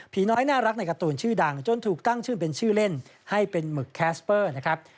น้อยน่ารักในการ์ตูนชื่อดังจนถูกตั้งชื่อเป็นชื่อเล่นให้เป็นหมึกแคสเปอร์นะครับ